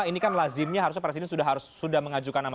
ini kan lazimnya harusnya presiden sudah mengajukan nama